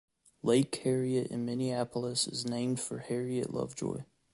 Lake Harriet in Minneapolis is named for Harriet Lovejoy.